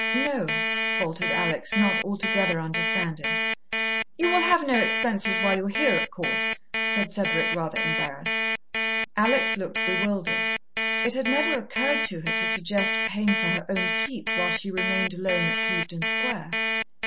"No," faltered Alex, not altogether understanding. "You will have no expenses while you're here, of course," said Cedric, rather embarrassed. Alex looked bewildered. It had never occurred to her to suggest paying for her own keep while she remained alone at Clevedon Square.